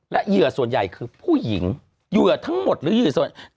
และเหยื่อส่วนใหญ่คือผู้หญิงเหยื่อทั้งหมดหรือเหยื่อส่วน